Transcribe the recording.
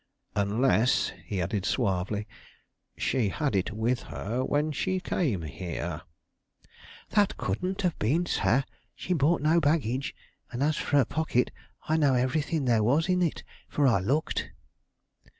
"Unless," he added suavely, "she had it with her when she came here?" "That couldn't have been, sir. She brought no baggage; and as for her pocket, I know everything there was in it, for I looked."